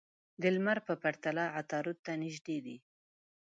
د لمر په پرتله عطارد ته نژدې دي.